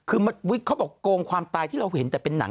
คือเขาบอกโกงความตายที่เราเห็นแต่เป็นหนัง